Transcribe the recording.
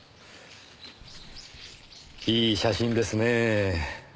いい写真ですねぇ。